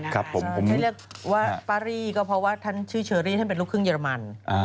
ได้เรียกพระอียัตริย์ว่าเพราะท่านชื่อเจอรี่เขาเป็นลูกคืนเยอรมัน